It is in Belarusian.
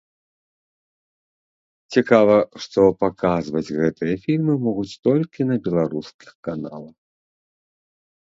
Цікава, што паказваць гэтыя фільмы могуць толькі на беларускіх каналах.